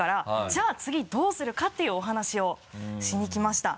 じゃあ次どうするかっていうお話をしに来ました。